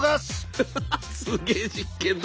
ハハハすげえ実験だ。